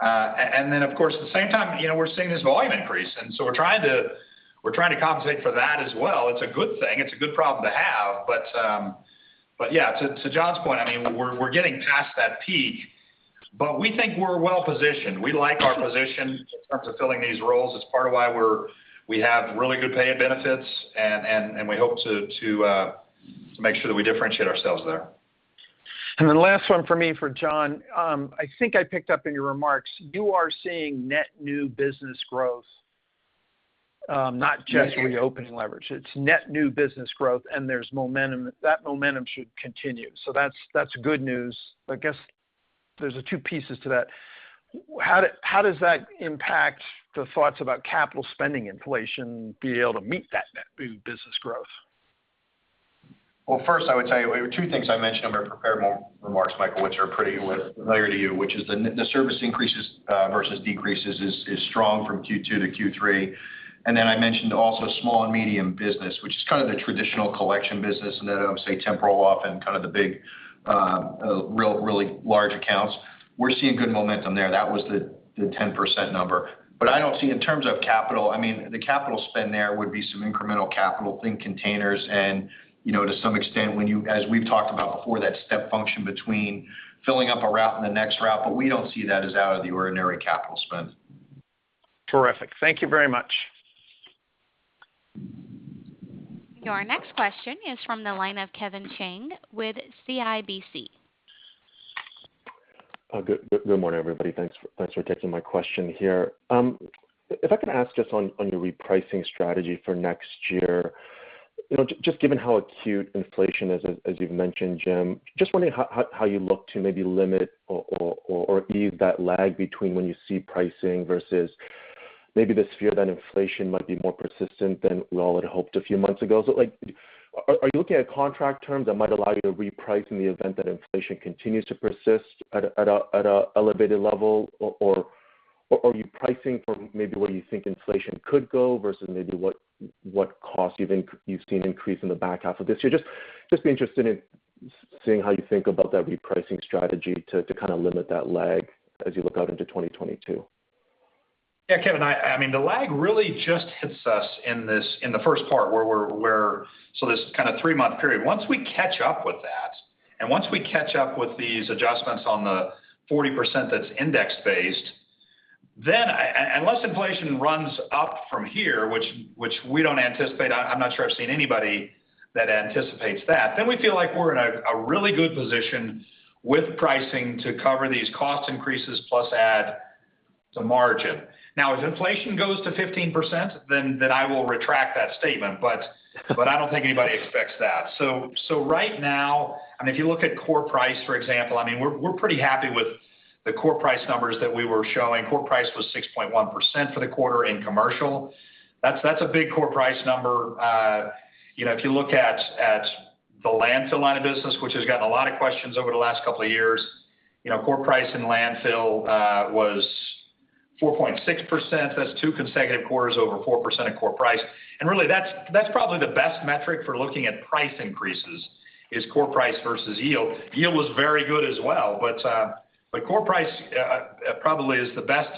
Then, of course, at the same time, you know, we're seeing this volume increase, and so we're trying to compensate for that as well. It's a good thing. It's a good problem to have. Yeah, to John's point, I mean, we're getting past that peak, but we think we're well-positioned. We like our position in terms of filling these roles. It's part of why we have really good pay and benefits, and we hope to make sure that we differentiate ourselves there. Last one from me for John. I think I picked up in your remarks you are seeing net new business growth, not just reopening leverage. It's net new business growth and there's momentum. That momentum should continue. That's good news. I guess there's two pieces to that. How does that impact the thoughts about capital spending inflation being able to meet that net new business growth? Well, first, I would tell you two things I mentioned in my prepared remarks, Michael, which are pretty well familiar to you, which is the service increases versus decreases is strong from Q2-Q3. Then I mentioned also small and medium business, which is kind of the traditional collection business and that I would say temporarily off and kind of the big really large accounts. We're seeing good momentum there. That was the 10% number. I don't see in terms of capital, I mean, the capital spend there would be some incremental capital, think containers and, you know, to some extent, as we've talked about before, that step function between filling up a route and the next route, but we don't see that as out of the ordinary capital spend. Terrific. Thank you very much. Your next question is from the line of Kevin Chiang with CIBC. Good morning, everybody. Thanks for taking my question here. If I can ask just on your repricing strategy for next year. You know, just given how acute inflation is, as you've mentioned, Jim, just wondering how you look to maybe limit or ease that lag between when you see pricing versus maybe this fear that inflation might be more persistent than we all had hoped a few months ago. Like, are you looking at contract terms that might allow you to reprice in the event that inflation continues to persist at a elevated level? Or are you pricing for maybe where you think inflation could go versus maybe what cost you think you've seen increase in the back half of this year? Just be interested in seeing how you think about that repricing strategy to kinda limit that lag as you look out into 2022. Yeah, Kevin, I mean, the lag really just hits us in the first part of this kind of three-month period. Once we catch up with that, and once we catch up with these adjustments on the 40% that's index-based, then unless inflation runs up from here, which we don't anticipate, I'm not sure I've seen anybody that anticipates that, then we feel like we're in a really good position with pricing to cover these cost increases plus add the margin. Now, if inflation goes to 15%, then I will retract that statement. But I don't think anybody expects that. Right now, I mean, if you look at core price, for example, I mean, we're pretty happy with the core price numbers that we were showing. Core price was 6.1% for the quarter in commercial. That's a big core price number. You know, if you look at the landfill line of business, which has gotten a lot of questions over the last couple of years, you know, core price in landfill was 4.6%. That's two consecutive quarters over 4% of core price. Really, that's probably the best metric for looking at price increases, core price versus yield. Yield was very good as well, but core price probably is the best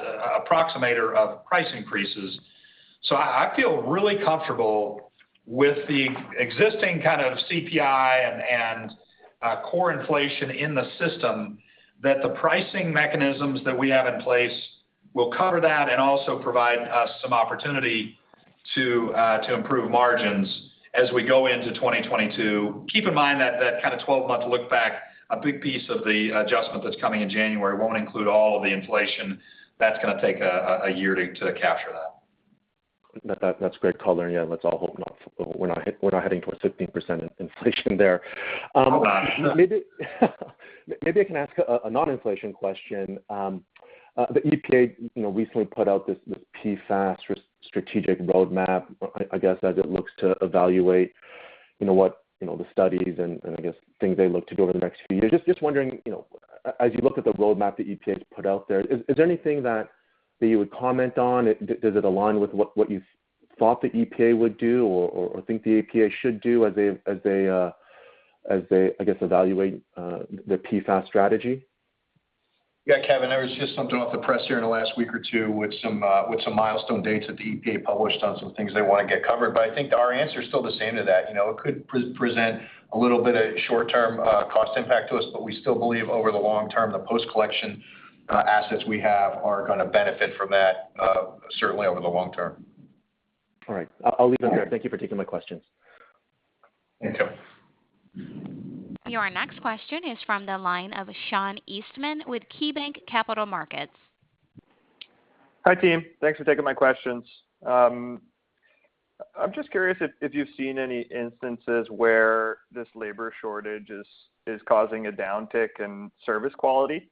approximator of price increases. I feel really comfortable with the existing kind of CPI and core inflation in the system that the pricing mechanisms that we have in place will cover that and also provide us some opportunity to improve margins as we go into 2022. Keep in mind that kind of 12 month look back, a big piece of the adjustment that's coming in January won't include all of the inflation. That's gonna take a year to capture that. That's great color. Yeah, let's all hope we're not heading towards 15% inflation there. Hope not. Maybe I can ask a non-inflation question. The EPA, you know, recently put out this PFAS strategic roadmap, I guess, as it looks to evaluate, you know, what the studies and I guess things they look to do over the next few years. Just wondering, you know, as you look at the roadmap the EPA has put out there, is there anything that you would comment on? Does it align with what you thought the EPA would do or think the EPA should do as they, I guess, evaluate the PFAS strategy? Yeah, Kevin, there was just something off the press here in the last week or two with some milestone dates that the EPA published on some things they wanna get covered. I think our answer is still the same to that. You know, it could present a little bit of short-term cost impact to us, but we still believe over the long term, the post-collection assets we have are gonna benefit from that, certainly over the long term. All right. I'll leave it there. Thank you for taking my questions. Thank you. Your next question is from the line of Sean Eastman with KeyBanc Capital Markets. Hi, team. Thanks for taking my questions. I'm just curious if you've seen any instances where this labor shortage is causing a downtick in service quality.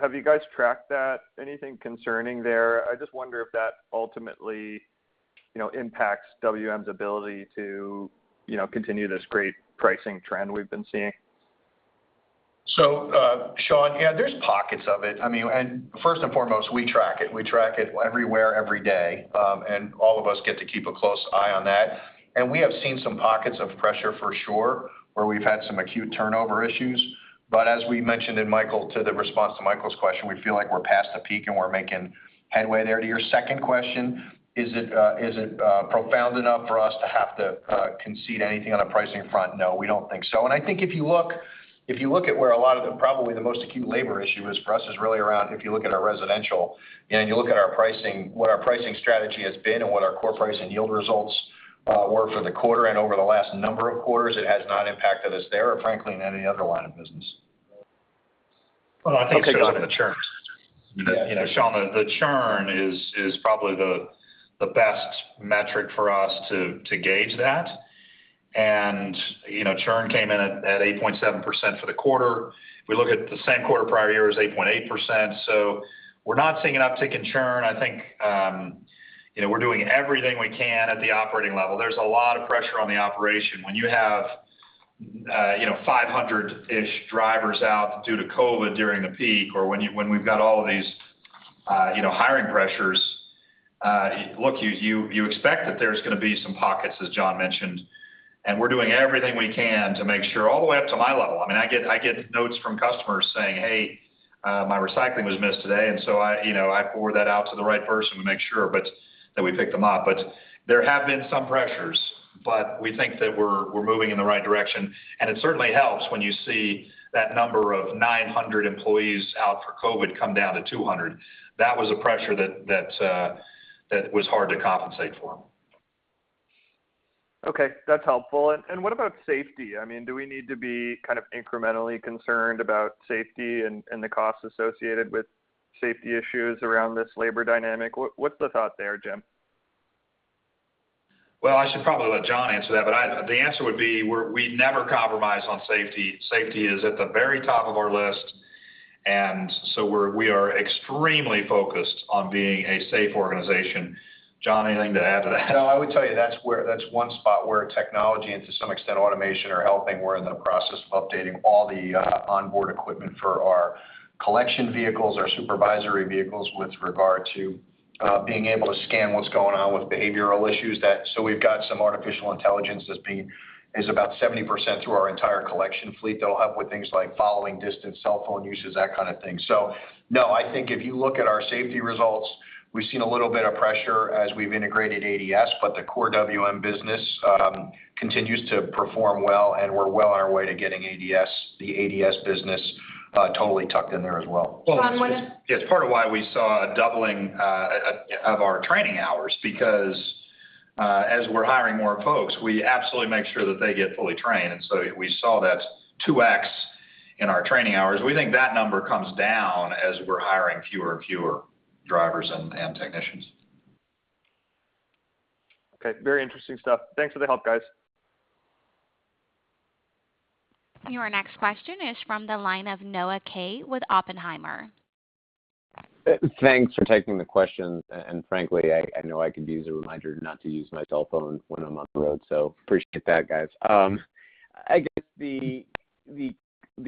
Have you guys tracked that? Anything concerning there? I just wonder if that ultimately, you know, impacts WM's ability to, you know, continue this great pricing trend we've been seeing. Sean, yeah, there's pockets of it. I mean first and foremost, we track it. We track it everywhere, every day, and all of us get to keep a close eye on that. We have seen some pockets of pressure for sure, where we've had some acute turnover issues. As we mentioned, Michael, in response to Michael's question, we feel like we're past the peak, and we're making headway there. To your second question, is it profound enough for us to have to concede anything on a pricing front? No, we don't think so. I think if you look at where a lot of the, probably the most acute labor issue is for us is really around if you look at our residential and you look at our pricing, what our pricing strategy has been and what our core price and yield results were for the quarter and over the last number of quarters, it has not impacted us there or frankly, in any other line of business. Well, I think they're gonna churn. You know, Sean, the churn is probably the best metric for us to gauge that. You know, churn came in at 8.7% for the quarter. We look at the same quarter prior year was 8.8%. So we're not seeing an uptick in churn. I think, you know, we're doing everything we can at the operating level. There's a lot of pressure on the operation. When you have you know, 500-ish drivers out due to COVID during the peak or when we've got all of these, you know, hiring pressures, look, you expect that there's gonna be some pockets, as John mentioned, and we're doing everything we can to make sure all the way up to my level. I mean, I get notes from customers saying, "Hey, my recycling was missed today." You know, I forward that out to the right person to make sure that we pick them up. There have been some pressures, but we think that we're moving in the right direction. It certainly helps when you see that number of 900 employees out for COVID come down to 200. That was a pressure that was hard to compensate for. Okay, that's helpful. What about safety? I mean, do we need to be kind of incrementally concerned about safety and the costs associated with safety issues around this labor dynamic? What's the thought there, Jim? Well, I should probably let John answer that, but the answer would be we never compromise on safety. Safety is at the very top of our list, and we are extremely focused on being a safe organization. John, anything to add to that? No, I would tell you that's one spot where technology and to some extent automation are helping. We're in the process of updating all the onboard equipment for our collection vehicles, our supervisory vehicles with regard to being able to scan what's going on with behavioral issues. We've got some artificial intelligence that's about 70% through our entire collection fleet that'll help with things like following distance, cell phone usage, that kind of thing. No, I think if you look at our safety results, we've seen a little bit of pressure as we've integrated ADS, but the core WM business continues to perform well, and we're well on our way to getting ADS, the ADS business, totally tucked in there as well. Well, it's- John, go ahead. It's part of why we saw a doubling of our training hours because as we're hiring more folks, we absolutely make sure that they get fully trained. We saw that 2x in our training hours. We think that number comes down as we're hiring fewer and fewer drivers and technicians. Okay. Very interesting stuff. Thanks for the help, guys. Your next question is from the line of Noah Kaye with Oppenheimer. Thanks for taking the question. Frankly, I know I could use a reminder not to use my cell phone when I'm on the road, so appreciate that, guys. I guess the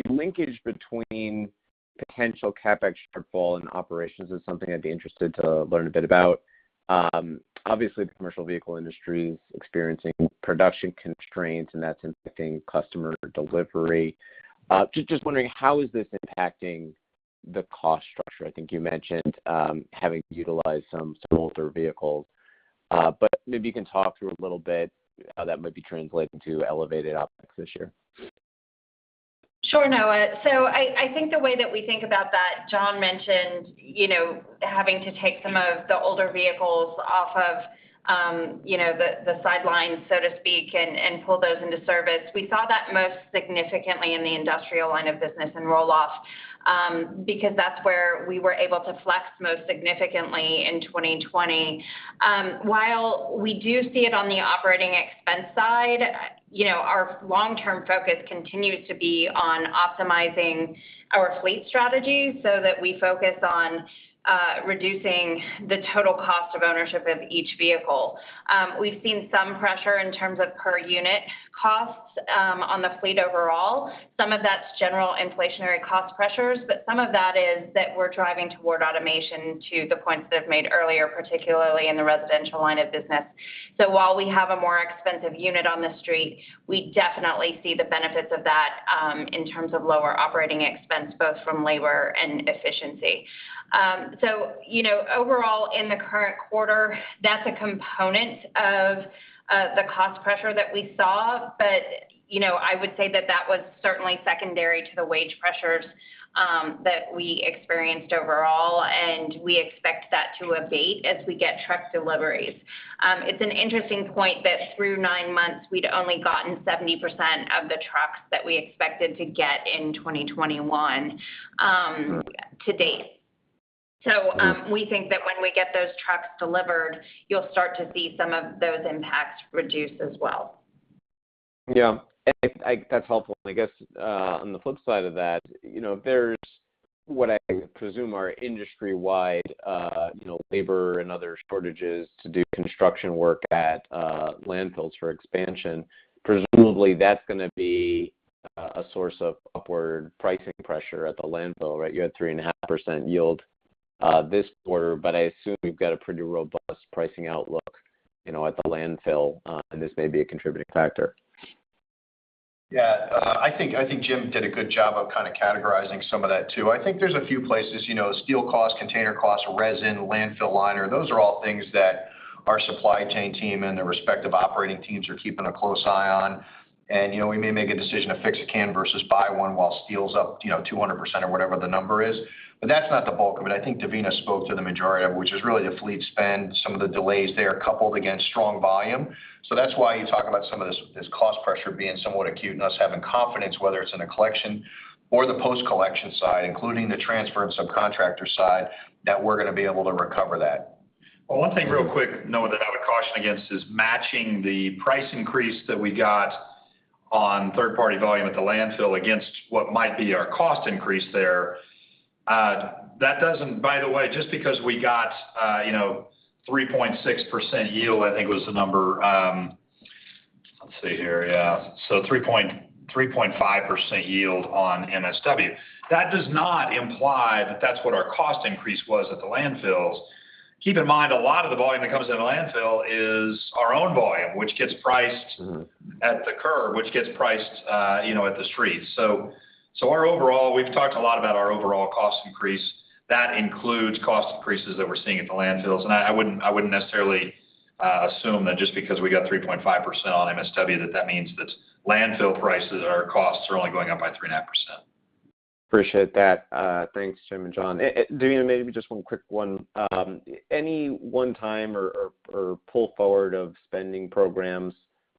linkage between potential CapEx shortfall and operations is something I'd be interested to learn a bit about. Obviously, the commercial vehicle industry is experiencing production constraints, and that's impacting customer delivery. Just wondering how is this impacting the cost structure? I think you mentioned having to utilize some older vehicles. Maybe you can talk through a little bit how that might be translating to elevated OpEx this year. Sure, Noah. I think the way that we think about that, John mentioned, you know, having to take some of the older vehicles off of, you know, the sidelines, so to speak, and pull those into service. We saw that most significantly in the industrial line of business and roll-off, because that's where we were able to flex most significantly in 2020. While we do see it on the operating expense side, you know, our long-term focus continues to be on optimizing our fleet strategy so that we focus on reducing the total cost of ownership of each vehicle. We've seen some pressure in terms of per unit costs on the fleet overall. Some of that's general inflationary cost pressures, but some of that is that we're driving toward automation to the points that I've made earlier, particularly in the residential line of business. While we have a more expensive unit on the street, we definitely see the benefits of that in terms of lower operating expense, both from labor and efficiency. You know, overall in the current quarter, that's a component of the cost pressure that we saw. You know, I would say that that was certainly secondary to the wage pressures that we experienced overall, and we expect that to abate as we get truck deliveries. It's an interesting point that through nine months, we'd only gotten 70% of the trucks that we expected to get in 2021 to date. We think that when we get those trucks delivered, you'll start to see some of those impacts reduce as well. Yeah. That's helpful. I guess, on the flip side of that, you know, there's what I presume are industry-wide, you know, labor and other shortages to do construction work at, landfills for expansion. Presumably, that's gonna be a source of upward pricing pressure at the landfill, right? You had 3.5% yield this quarter, but I assume you've got a pretty robust pricing outlook, you know, at the landfill, and this may be a contributing factor. Yeah. I think Jim did a good job of kind of categorizing some of that too. I think there's a few places, you know, steel costs, container costs, resin, landfill liner. Those are all things that our supply chain team and the respective operating teams are keeping a close eye on. You know, we may make a decision to fix a can versus buy one while steel's up, you know, 200% or whatever the number is. That's not the bulk of it. I think Devina spoke to the majority of it, which is really the fleet spend, some of the delays there coupled against strong volume. That's why you talk about some of this cost pressure being somewhat acute and us having confidence, whether it's in the collection or the post-collection side, including the transfer and subcontractor side, that we're gonna be able to recover that. Well, one thing real quick, Noah, that I would caution against is matching the price increase that we got on third-party volume at the landfill against what might be our cost increase there. That doesn't. By the way, just because we got, you know, 3.6% yield, I think was the number, let's see here. Yeah. So 3.5% yield on MSW. That does not imply that that's what our cost increase was at the landfills. Keep in mind, a lot of the volume that comes into the landfill is our own volume, which gets priced- at the curb, which gets priced, you know, at the street. Our overall, we've talked a lot about our overall cost increase. That includes cost increases that we're seeing at the landfills. I wouldn't necessarily assume that just because we got 3.5% on MSW that means that landfill prices or costs are only going up by 3.5%. Appreciate that. Thanks, Jim and John. Devina, maybe just one quick one. Any one time or pull forward of spending programs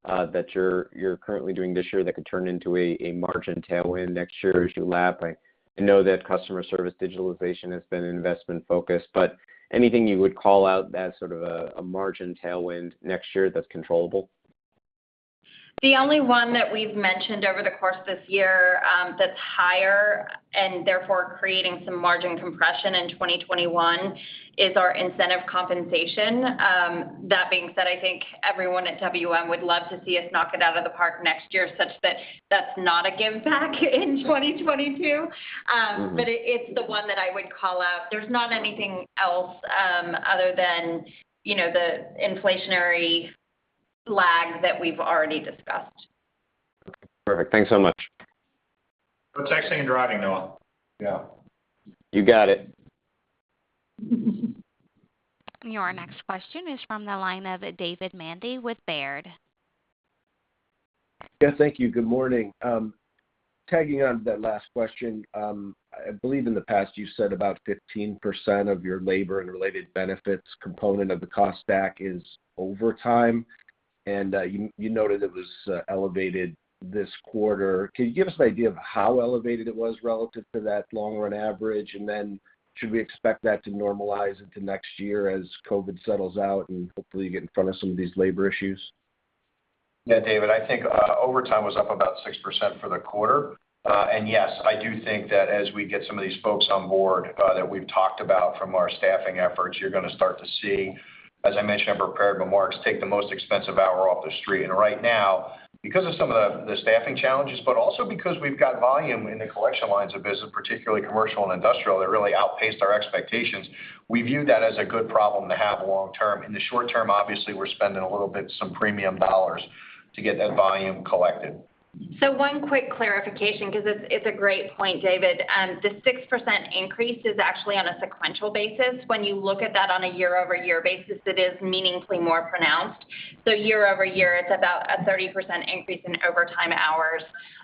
that you're currently doing this year that could turn into a margin tailwind next year as you lap? I know that customer service digitalization has been an investment focus, but anything you would call out as sort of a margin tailwind next year that's controllable? The only one that we've mentioned over the course of this year, that's higher and therefore creating some margin compression in 2021 is our incentive compensation. That being said, I think everyone at WM would love to see us knock it out of the park next year such that that's not a giveback in 2022. It's the one that I would call out. There's not anything else, other than, you know, the inflationary lag that we've already discussed. Okay. Perfect. Thanks so much. We're texting and driving, Noah. Yeah. You got it. Your next question is from the line of David Manthey with Baird. Yeah, thank you. Good morning. Tagging on to that last question, I believe in the past you said about 15% of your labor and related benefits component of the cost stack is overtime, and you noted it was elevated this quarter. Can you give us an idea of how elevated it was relative to that long run average? And then should we expect that to normalize into next year as COVID settles out and hopefully you get in front of some of these labor issues? Yeah, David, I think overtime was up about 6% for the quarter. Yes, I do think that as we get some of these folks on board, that we've talked about from our staffing efforts, you're gonna start to see, as I mentioned in prepared remarks, take the most expensive hour off the street. Right now, because of some of the staffing challenges, but also because we've got volume in the collection lines of business, particularly commercial and industrial, that really outpaced our expectations, we view that as a good problem to have long term. In the short term, obviously, we're spending a little bit, some premium dollars to get that volume collected. One quick clarification because it's a great point, David. The 6% increase is actually on a sequential basis. When you look at that on a year-over-year basis, it is meaningfully more pronounced. Year-over-year, it's about a 30% increase in overtime hours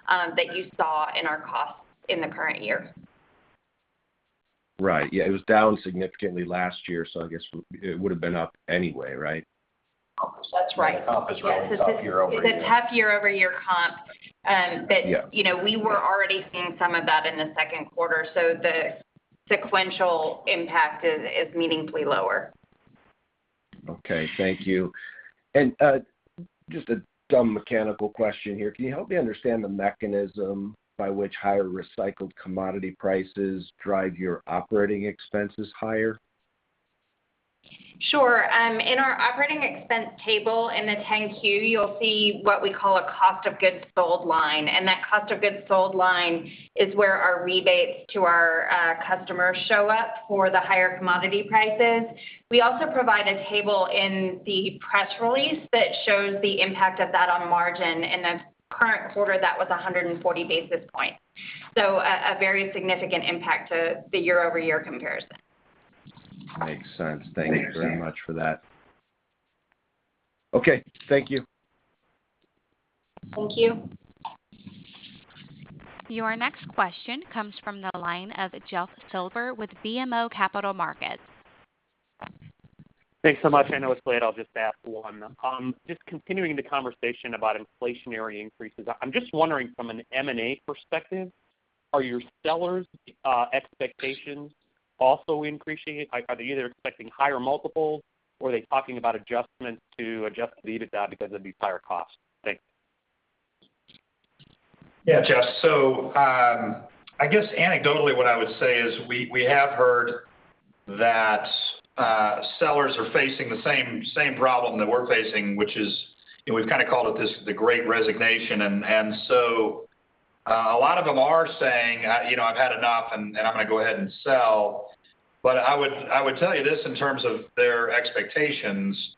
that you saw in our costs in the current year. Right. Yeah, it was down significantly last year, so I guess it would have been up anyway, right? That's right. The comp is rolling up year-over-year. It's a tough year-over-year comp. Yeah. You know, we were already seeing some of that in the second quarter. The sequential impact is meaningfully lower. Okay. Thank you. Just a dumb mechanical question here. Can you help me understand the mechanism by which higher recycled commodity prices drive your operating expenses higher? Sure. In our operating expense table in the 10-Q, you'll see what we call a cost of goods sold line. That cost of goods sold line is where our rebates to our customers show up for the higher commodity prices. We also provide a table in the press release that shows the impact of that on margin. In the current quarter, that was 140 basis points. A very significant impact to the year-over-year comparison. Makes sense. Thank you very much for that. Okay, thank you. Thank you. Your next question comes from the line of Jeffrey Silber with BMO Capital Markets. Thanks so much. I know it's late. I'll just ask one. Just continuing the conversation about inflationary increases. I'm just wondering from an M&A perspective, are your sellers' expectations also increasing? Are they either expecting higher multiples, or are they talking about adjustments to adjust the EBITDA because of these higher costs? Thanks. Yeah, Jeff. I guess anecdotally what I would say is we have heard that sellers are facing the same problem that we're facing, which is, you know, we've kind of called it the Great Resignation. A lot of them are saying, you know, "I've had enough and I'm gonna go ahead and sell." I would tell you this in terms of their expectations.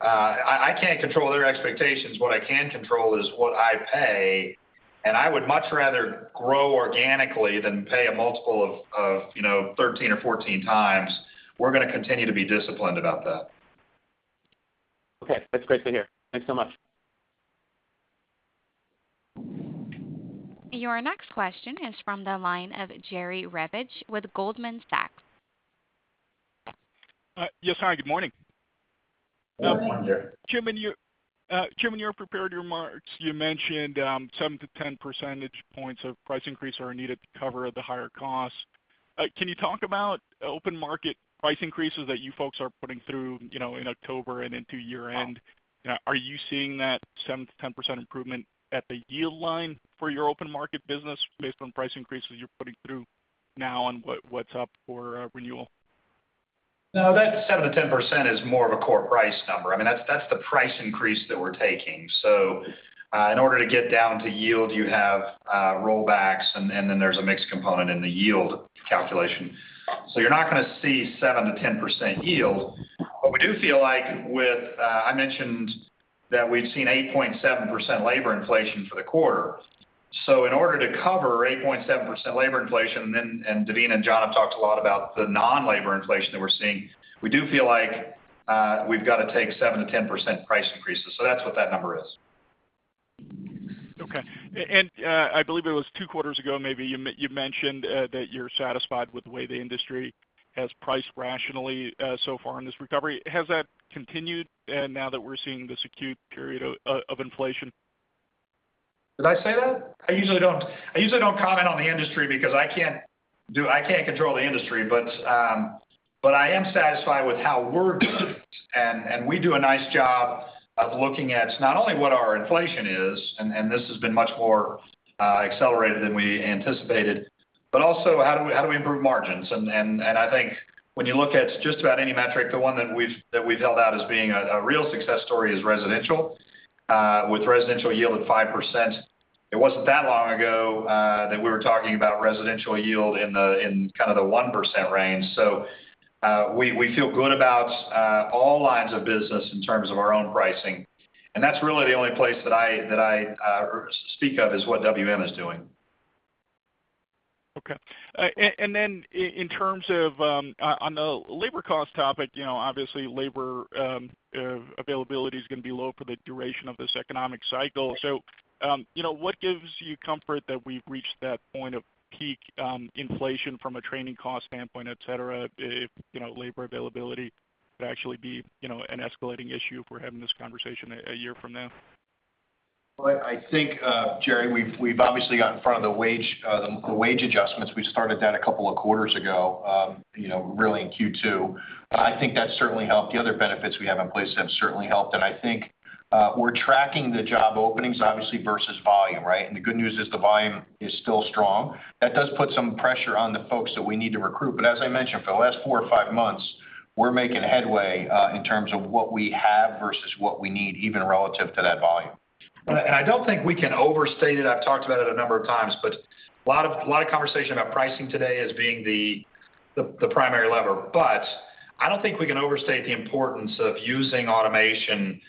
I can't control their expectations. What I can control is what I pay, and I would much rather grow organically than pay a multiple of 13 or 14 times. We're gonna continue to be disciplined about that. Okay. That's great to hear. Thanks so much. Your next question is from the line of Jerry Revich with Goldman Sachs. Yes, hi, good morning. Good morning, Jerry Revich. Jim, in your prepared remarks, you mentioned 7-10 percentage points of price increase are needed to cover the higher costs. Can you talk about open market price increases that you folks are putting through, you know, in October and into year-end? Are you seeing that 7%-10% improvement at the yield line for your open market business based on price increases you're putting through now and what's up for renewal? No, that 7%-10% is more of a core price number. I mean, that's the price increase that we're taking. In order to get down to yield, you have rollbacks and then there's a mixed component in the yield calculation. You're not gonna see 7%-10% yield. But we do feel like with I mentioned that we've seen 8.7% labor inflation for the quarter. In order to cover 8.7% labor inflation then. Devina and John have talked a lot about the non-labor inflation that we're seeing. We do feel like we've gotta take 7%-10% price increases. That's what that number is. Okay. I believe it was two quarters ago, maybe you mentioned that you're satisfied with the way the industry has priced rationally so far in this recovery. Has that continued now that we're seeing this acute period of inflation? Did I say that? I usually don't comment on the industry because I can't control the industry. But I am satisfied with how we're doing. We do a nice job of looking at not only what our inflation is, and this has been much more accelerated than we anticipated, but also how do we improve margins? I think when you look at just about any metric, the one that we've held out as being a real success story is residential with residential yield at 5%. It wasn't that long ago that we were talking about residential yield in kind of the 1% range. We feel good about all lines of business in terms of our own pricing, and that's really the only place that I speak of is what WM is doing. Okay. And then in terms of on the labor cost topic, you know, obviously labor availability is gonna be low for the duration of this economic cycle. You know, what gives you comfort that we've reached that point of peak inflation from a training cost standpoint, etc, if you know, labor availability could actually be an escalating issue if we're having this conversation a year from now? Well, I think, Jerry, we've obviously gotten in front of the wage adjustments. We started that a couple of quarters ago, you know, really in Q2. I think that certainly helped. The other benefits we have in place have certainly helped. I think, we're tracking the job openings obviously versus volume, right? The good news is the volume is still strong. That does put some pressure on the folks that we need to recruit. As I mentioned, for the last four or five months, we're making headway in terms of what we have versus what we need, even relative to that volume. I don't think we can overstate it. I've talked about it a number of times, but a lot of conversation about pricing today as being the primary lever. I don't think we can overstate the importance of using automation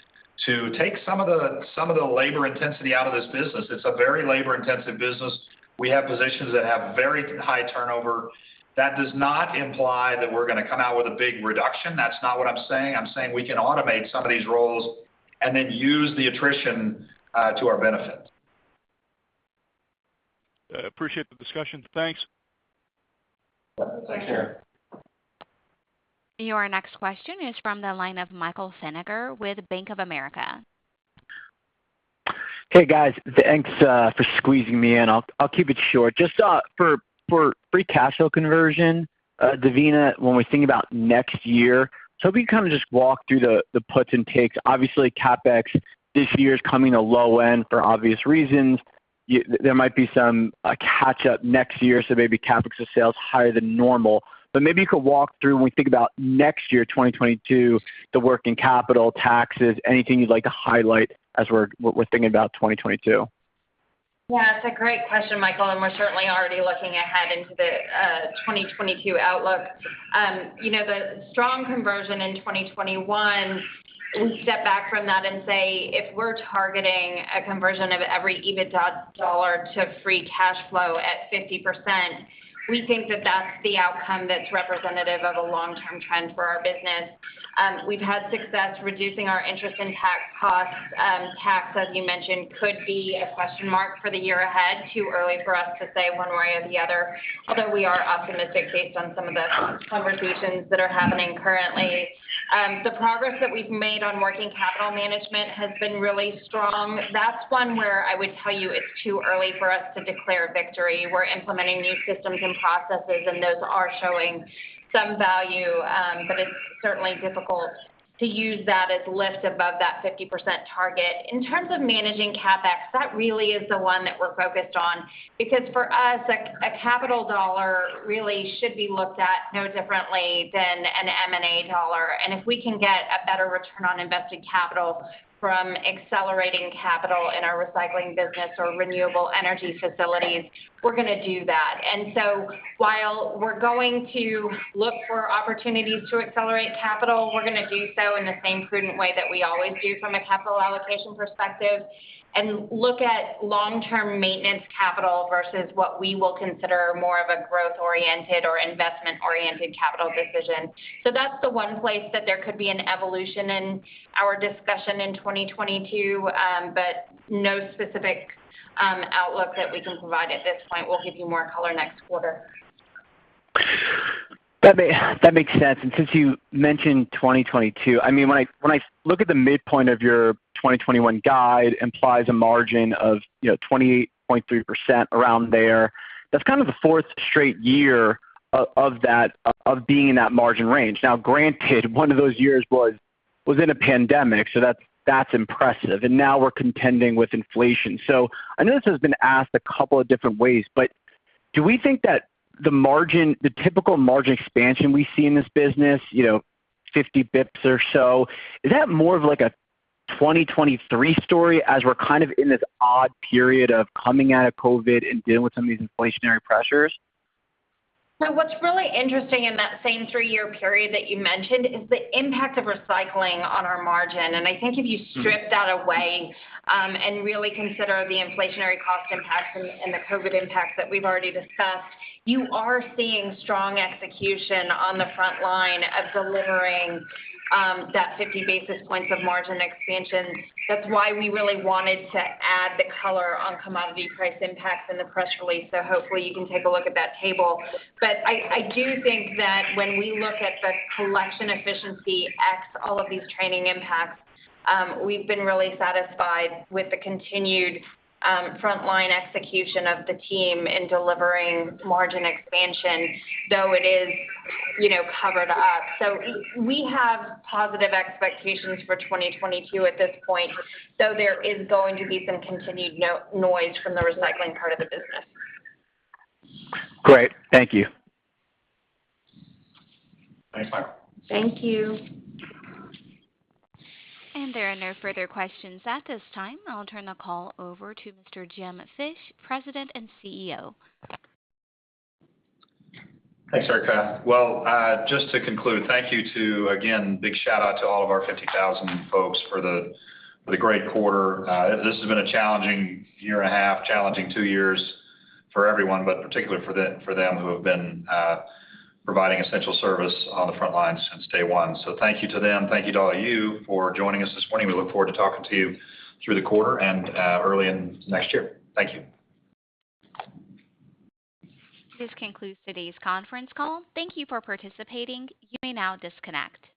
to take some of the labor intensity out of this business. It's a very labor-intensive business. We have positions that have very high turnover. That does not imply that we're gonna come out with a big reduction. That's not what I'm saying. I'm saying we can automate some of these roles and then use the attrition to our benefit. I appreciate the discussion. Thanks. Thanks, Jerry. Your next question is from the line of Michael Feniger with Bank of America. Hey, guys. Thanks for squeezing me in. I'll keep it short. Just for free cash flow conversion, Devina, when we think about next year, if you can kind of just walk through the puts and takes. Obviously, CapEx this year is coming in at the low end for obvious reasons. There might be some catch up next year, so maybe CapEx to sales higher than normal. But maybe you could walk through what we think about next year, 2022, the working capital, taxes, anything you'd like to highlight as we're thinking about 2022. Yeah, it's a great question, Michael, and we're certainly already looking ahead into the 2022 outlook. You know, the strong conversion in 2021, we step back from that and say, if we're targeting a conversion of every EBITDA's dollar to free cash flow at 50%, we think that that's the outcome that's representative of a long-term trend for our business. We've had success reducing our interest expense. Tax, as you mentioned, could be a question mark for the year ahead. Too early for us to say one way or the other, although we are optimistic based on some of the conversations that are happening currently. The progress that we've made on working capital management has been really strong. That's one where I would tell you it's too early for us to declare victory. We're implementing new systems and processes, and those are showing some value. It's certainly difficult to use that as lift above that 50% target. In terms of managing CapEx, that really is the one that we're focused on, because for us, a capital dollar really should be looked at no differently than an M&A dollar. If we can get a better return on invested capital from accelerating capital in our recycling business or renewable energy facilities, we're gonna do that. While we're going to look for opportunities to accelerate capital, we're gonna do so in the same prudent way that we always do from a capital allocation perspective and look at long-term maintenance capital versus what we will consider more of a growth-oriented or investment-oriented capital decision. That's the one place that there could be an evolution in our discussion in 2022. No specific outlook that we can provide at this point. We'll give you more color next quarter. That makes sense. Since you mentioned 2022, I mean, when I look at the midpoint of your 2021 guide implies a margin of, you know, 28.3% around there. That's kind of the fourth straight year of being in that margin range. Now, granted, one of those years was in a pandemic, so that's impressive. Now we're contending with inflation. I know this has been asked a couple of different ways. Do we think that the margin, the typical margin expansion we see in this business, you know, 50 basis points or so, is that more of like a 2023 story as we're kind of in this odd period of coming out of COVID and dealing with some of these inflationary pressures? What's really interesting in that same three year period that you mentioned is the impact of recycling on our margin. I think if you stripped that away, and really consider the inflationary cost impacts and the COVID impacts that we've already discussed, you are seeing strong execution on the front line of delivering that 50 basis points of margin expansion. That's why we really wanted to add the color on commodity price impacts in the press release. Hopefully you can take a look at that table. I do think that when we look at the collection efficiency ex all of these training impacts, we've been really satisfied with the continued frontline execution of the team in delivering margin expansion, though it is, you know, covered up. We have positive expectations for 2022 at this point, though there is going to be some continued noise from the recycling part of the business. Great. Thank you. Thanks, Mark. Thank you. There are no further questions at this time. I'll turn the call over to Mr. Jim Fish, President and CEO. Thanks, Erika. Well, just to conclude, thank you again, big shout out to all of our 50,000 folks for the great quarter. This has been a challenging year and a half, challenging two years for everyone, but particularly for them who have been providing essential service on the front lines since day one. Thank you to them. Thank you to all of you for joining us this morning. We look forward to talking to you through the quarter and early in next year. Thank you. This concludes today's conference call. Thank you for participating. You may now disconnect.